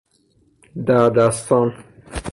دردستان